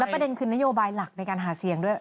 ประเด็นคือนโยบายหลักในการหาเสียงด้วย